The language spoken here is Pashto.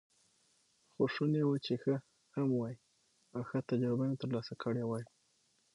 خو شوني وه چې ښه هم وای، او ښه تجربه مې ترلاسه کړې وای.